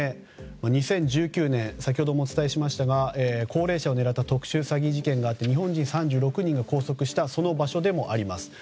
２０１９年先ほどもお伝えしましたが高齢者を狙った特殊詐欺事件日本人３６人を拘束した場所でもあります。